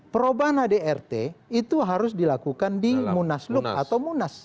perobahan adrt itu harus dilakukan di munasluk atau munas